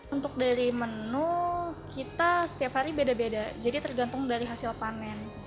untuk dari menu kita setiap hari beda beda jadi tergantung dari hasil panen